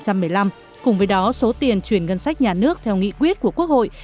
cùng với đó số tiền chuyển ngân sách nhà nước theo nghị quyết của quốc hội